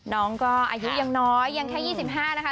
น้องก็อายุยังน้อยยังแค่๒๕นะคะ